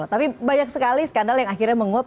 tapi banyak sekali skandal yang akhirnya menguap